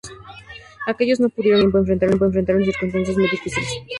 Aquellos que no pudieron escapar a tiempo enfrentaron circunstancias muy difíciles.